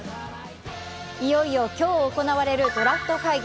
いよいよ今日行われるドラフト会議。